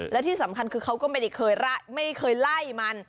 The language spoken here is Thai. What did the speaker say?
และที่สำคัญคือเขาก็ไม่ได้เคยไล่มัน